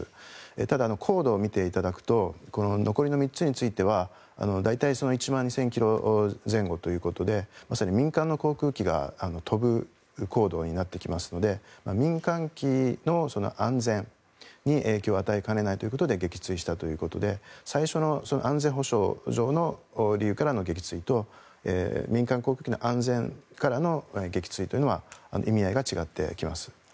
ただ、高度を見ていただくと残りの３つについては大体１万２０００ｋｍ前後ということで民間の航空機が飛ぶ高度になってきますので民間機の安全に影響を与えかねないということで撃墜したということで最初の安全保障上の理由からの撃墜と民間航空機の安全からの撃墜というのは意味合いが違ってきます。